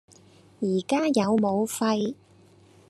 而家有武肺